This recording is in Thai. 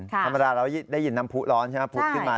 ธรรมดาเราได้ยินน้ำผู้ร้อนใช่ไหมผุดขึ้นมา